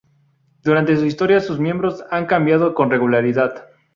Durante su historia, sus miembros han cambiado con regularidad.